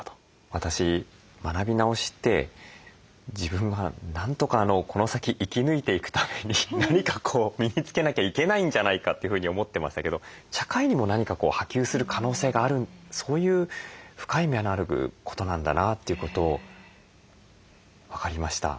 私学び直しって自分はなんとかこの先生き抜いていくために何か身につけなきゃいけないんじゃないかというふうに思ってましたけど社会にも何か波及する可能性があるそういう深い意味のあることなんだなということを分かりました。